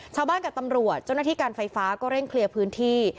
กับตำรวจเจ้าหน้าที่การไฟฟ้าก็เร่งเคลียร์พื้นที่